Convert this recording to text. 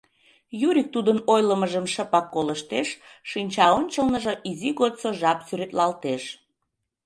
Юрик тудын ойлымыжым шыпак колыштеш, шинча ончылныжо изи годсо жап сӱретлалтеш.